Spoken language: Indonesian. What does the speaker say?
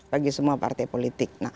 bagi semua partai politik